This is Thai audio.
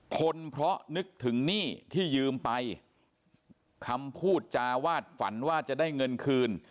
ทนเพราะนึกถึงหนี้ที่ยืมไปคำพูดจาวาดฝันว่าจะได้เงินคืน